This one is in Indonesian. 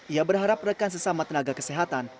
ia berharap rekan sesama tenaga kesehatan